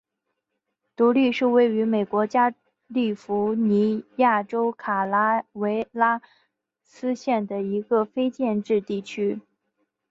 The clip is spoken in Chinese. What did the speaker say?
独立是位于美国加利福尼亚州卡拉韦拉斯县的一个非建制地区。